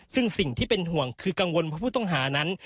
ซึ่งสิ่งที่เป็นห่วงคือกังวลว่าผู้ต้องหานั้น